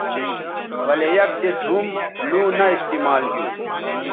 ولے یک دِس ھم لوں نہ استعمال گیو